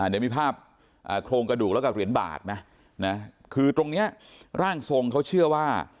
ในภาพโครงกระดูกแล้วกับเหรียญบาทนะคือตรงนี้ร่างทรงเขาเชื่อว่า